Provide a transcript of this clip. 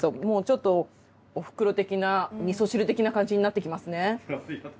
もうちょっとおふくろ的な味噌汁的な感じになってきますね。